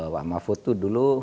pak mafud tuh dulu